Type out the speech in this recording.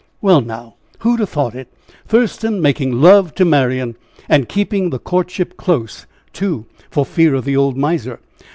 "Well, now, who'd a thought it! Thurston making love to Marian! And keeping the courtship close, too, for fear of the old miser.